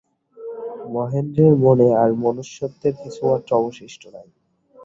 মহেন্দ্রের মনে আর মনুষ্যত্বের কিছুমাত্র অবশিষ্ট নাই।